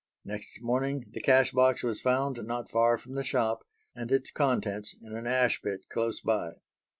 Next morning the cash box was found not far from the shop and its contents in an ash pit close by.